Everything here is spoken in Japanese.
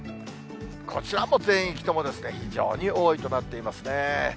こちらも全域ともですね、非常に多いとなっていますね。